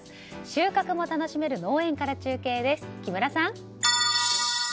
収穫も楽しめる農園から中継です。